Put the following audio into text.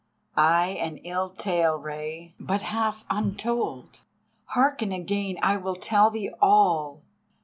"Ay, an ill tale, Rei, but half untold. Hearken again, I will tell thee all.